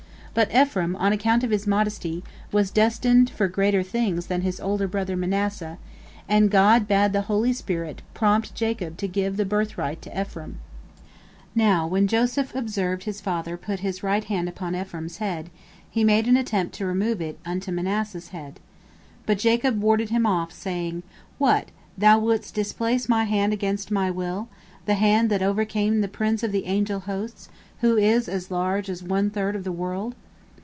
But Ephraim, on account of his modesty, was destined for greater things than his older brother Manasseh, and God bade the holy spirit prompt Jacob to give the birthright to Ephraim. Now when Joseph observed his father put his right hand upon Ephraim's head, he made an attempt to remove it unto Manasseh's head. But Jacob warded him off, saying: "What, thou wouldst displace my hand against my will, the hand that overcame the prince of the angel hosts, who is as large as one third of the world!